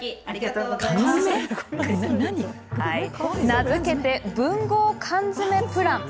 名付けて、文豪缶詰プラン。